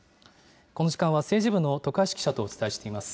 この時間は政治部の徳橋記者とお伝えしています。